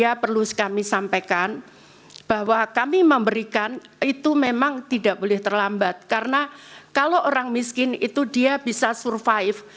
ya perlu kami sampaikan bahwa kami memberikan itu memang tidak boleh terlambat karena kalau orang miskin itu dia bisa survive